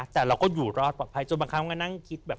แต่เราก็อยู่รอดปลอดภัยจนบางครั้งมันก็นั่งคิดแบบ